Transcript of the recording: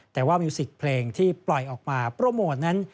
แต่ว่ามิวสิกเพลงที่ปล่อยออกมาโปรโมทนั้น